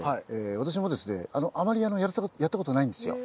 私もですねあまりやったことないんですよ。